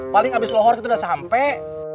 paling abis lohork itu udah sampai